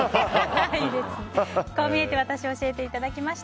こう見えてワタシを教えていただきました。